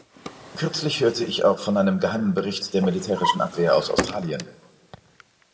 Kürzlich hörte ich auch von einem geheimen Bericht der militärischen Abwehr aus Australien.